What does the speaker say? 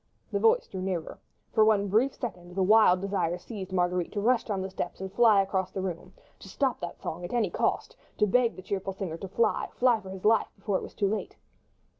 The voice drew nearer; for one brief second the wild desire seized Marguerite to rush down the steps and fly across the room, to stop that song at any cost, to beg the cheerful singer to fly—fly for his life, before it be too late.